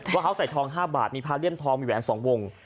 ว่าเขาใส่ทองห้าบาทมีผ้าเลี่ยมทองมีแหวนสองวง